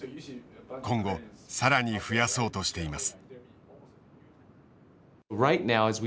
今後更に増やそうとしています。